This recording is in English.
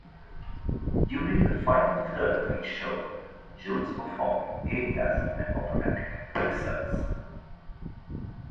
During the final third of each show, Jones performed arias and operatic excerpts.